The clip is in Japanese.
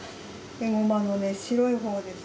エゴマの白いほうです。